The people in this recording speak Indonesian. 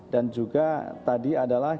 dan juga tadi adalah